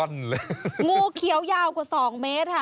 งูเขียวยาวกว่า๒เมตรค่ะ